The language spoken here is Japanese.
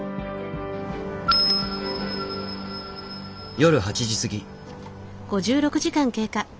夜８時過ぎ。